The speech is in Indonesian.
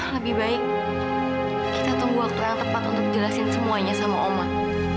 lebih baik kita tunggu waktu yang tepat untuk jelasin semuanya sama oman